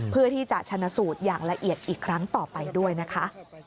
เพื่อที่จะชนะสูตรอย่างละเอียดอีกครั้งต่อไปด้วยนะคะ